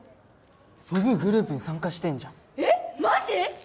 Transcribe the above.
ソブーグループに参加してんじゃんえっマジ！？